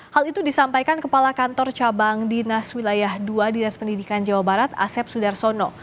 hal itu disampaikan kepala kantor cabang dinas wilayah dua dinas pendidikan jawa barat asep sudarsono